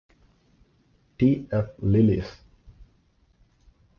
T. F. Lillis.